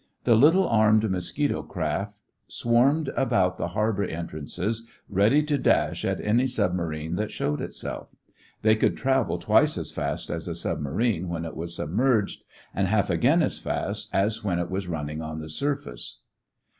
The little armed mosquito craft swarmed about the harbor entrances, ready to dash at any submarine that showed itself. They could travel twice as fast as the submarine when it was submerged and half again as fast as when it was running on the surface.